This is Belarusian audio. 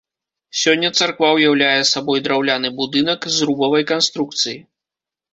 Сёння царква ўяўляе сабой драўляны будынак, зрубавай канструкцыі.